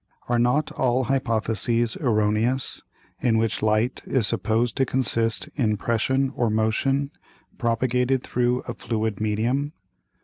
Are not all Hypotheses erroneous, in which Light is supposed to consist in Pression or Motion, propagated through a fluid Medium?